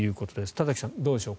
田崎さん、どうでしょう。